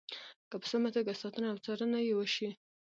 که په سمه توګه ساتنه او څارنه یې وشي.